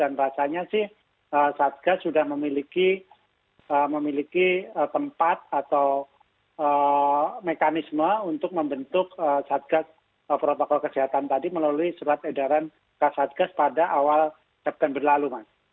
dan rasanya sih satgas sudah memiliki tempat atau mekanisme untuk membentuk satgas protokol kesehatan tadi melalui surat edaran ksatgas pada awal september lalu mas